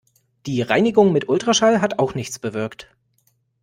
Die Reinigung mit Ultraschall hat auch nichts bewirkt.